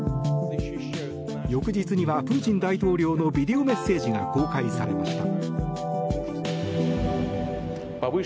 翌日にはプーチン大統領のビデオメッセージが公開されました。